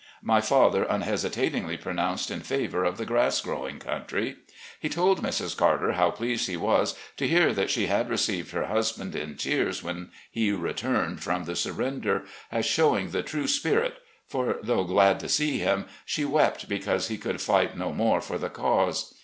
My father unhesitat ingly pronounced in favour of the grass growing country. He told Mrs. Carter how pleased he was to hear that she A PRIVATE CITIZEN 169 had received her husband in tears when he returned from the surrender, as showing the true spirit, for, though glad to see him, she wept because he could fight no more for the cause.